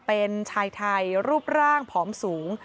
เป็นชายไทยรูปร่างผอมสูง